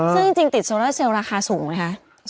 ซึ่งจริงติดโซล่าเซลลราคาสูงไหมคะ